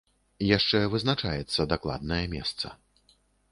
Яшчэ вызначаецца дакладнае месца.